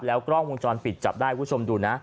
แล้วกล้องวงจรปิดจับได้กุญชมดูนะ